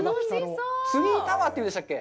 ツリータワーって言うんですっけ。